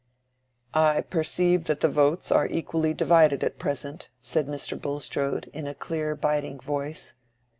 "I perceive that the votes are equally divided at present," said Mr. Bulstrode, in a clear biting voice.